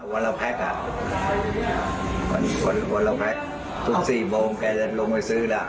วันละแพ็กอ่ะวันวันละแพ็กสุดสี่โมงแกจะลงไปซื้อล่ะ